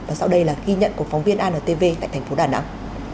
và sau đây là ghi nhận của phóng viên antv tại thành phố đà nẵng